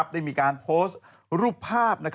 ได้มีการโพสต์รูปภาพ